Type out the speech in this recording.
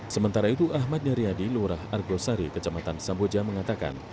sementara itu ahmad yaryadi lurah argosari kecamatan samboja mengatakan